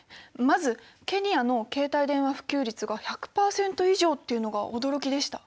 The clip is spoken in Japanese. まずケニアの携帯電話普及率が１００％以上っていうのが驚きでした。